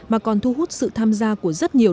mà còn thu hút sự tham gia của rất nhiều